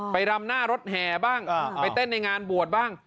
รำหน้ารถแห่บ้างไปเต้นในงานบวชบ้าง